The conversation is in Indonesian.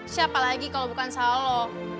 siapa lagi kalau bukan salah lo